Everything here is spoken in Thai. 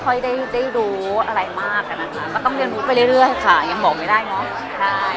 ค่อยด้วยมากน่ะครับต้องเรียนรู้ไปเรื่อยยังมองไม่ได้อย่างน้อย